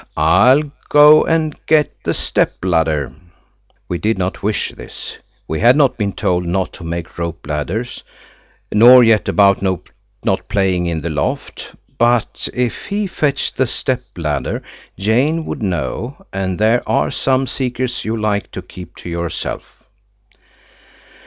I'll go and get the step ladder." We did not wish this. We had not been told not to make rope ladders, nor yet about not playing in the loft; but if he fetched the step ladder Jane would know, and there are some secrets you like to keep to yourself.